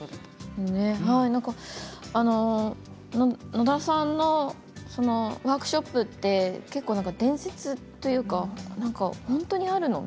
野田さんのワークショップって結構、伝説というか本当にあるの？